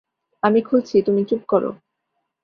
আমি খুলছি তুমি চুপ কর!